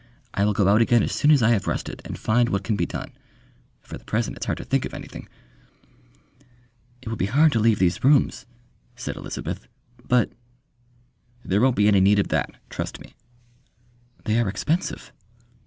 I will go out again as soon as I have rested, and find what can be done. For the present it's hard to think of anything...." "It would be hard to leave these rooms," said Elizabeth; "but " "There won't be any need of that trust me." "They are expensive."